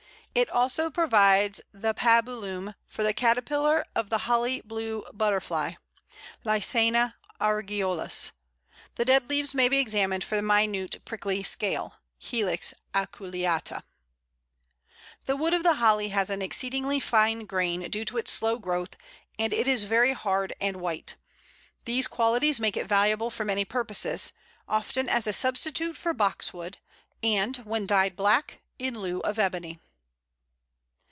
It also provides the pabulum for the caterpillar of the Holly blue butterfly (Lycæna argiolus). The dead leaves may be examined for the minute Prickly Snail (Helix aculeata). The wood of the Holly has an exceedingly fine grain, due to its slow growth, and it is very hard and white. These qualities make it valuable for many purposes, often as a substitute for Box wood, and, when dyed black, in lieu of Ebony.